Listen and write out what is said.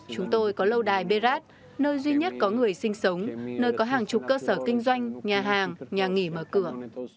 chúng tôi có lâu đài berat nơi duy nhất có người sinh sống nơi có hàng chục cơ sở kinh doanh nhà hàng nhà nghỉ mở cửa